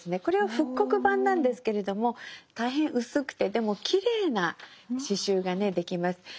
これは復刻版なんですけれども大変薄くてでもきれいな詩集ができます。